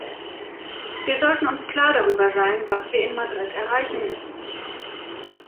Wir sollten uns klar darüber sein, was wir in Madrid erreichen müssen.